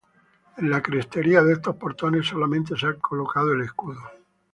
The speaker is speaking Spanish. En la crestería de estos portones solamente se ha colocado el escudo.